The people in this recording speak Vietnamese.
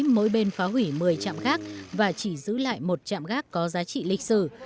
đối bên phá hủy một mươi chạm gác và chỉ giữ lại một chạm gác có giá trị lịch sử